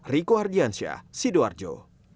riko hardiansyah sido arjo